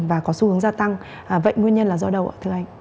và có xu hướng gia tăng vậy nguyên nhân là do đâu ạ thưa anh